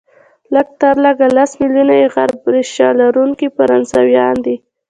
لږ تر لږه لس ملیونه یې عرب ریشه لرونکي فرانسویان دي،